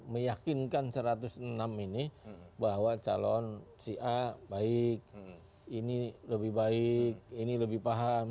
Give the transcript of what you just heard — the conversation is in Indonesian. meyakinkan satu ratus enam ini bahwa calon si a baik ini lebih baik ini lebih paham